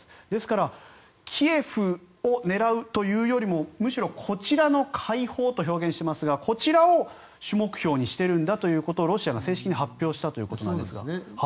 ですからキエフを狙うというよりもむしろこちらの解放と表現しますがこちらを主目標にしているんだということをロシアが正式に発表しているんですが。